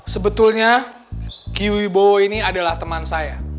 sebetulnya kiwi bowo ini adalah teman saya